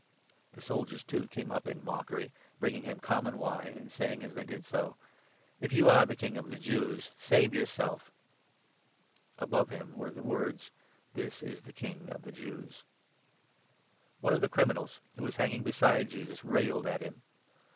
The soldiers, too, came up in mockery, bringing him common 36 wine, and saying as they did so : 37 "If you are the King of the Jews, save yourself." Above him were the words — 38 'THIS IS THE KING OF THE JEWS.' The One of the criminals who were hanging beside 39 penitent Jesus railed at him.